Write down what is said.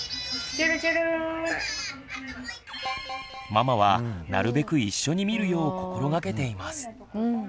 ママはなるべく一緒に見るよう心がけています。